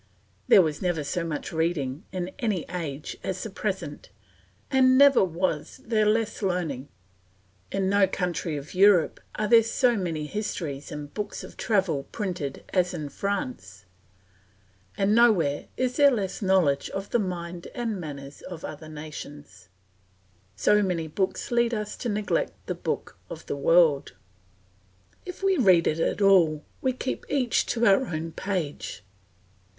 There was never so much reading in any age as the present, and never was there less learning; in no country of Europe are so many histories and books of travel printed as in France, and nowhere is there less knowledge of the mind and manners of other nations. So many books lead us to neglect the book of the world; if we read it at all, we keep each to our own page.